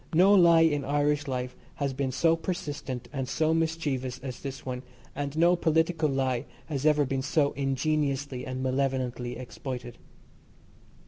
No lie in Irish life has been so persistent and so mischievous as this one, and no political lie has ever been so ingeniously, and malevolently exploited.